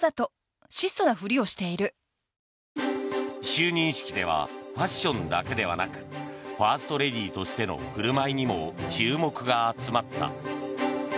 就任式ではファッションだけではなくファーストレディーとしての振る舞いにも注目が集まった。